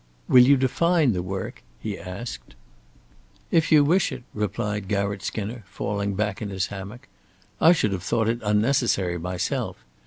"Will you define the work?" he asked. "If you wish it," replied Garratt Skinner, falling back in his hammock. "I should have thought it unnecessary myself.